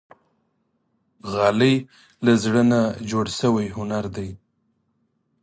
غالۍ له زړه نه جوړ شوی هنر دی.